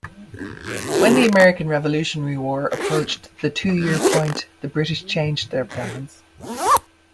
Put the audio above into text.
When the American Revolutionary War approached the two-year point, the British changed their plans.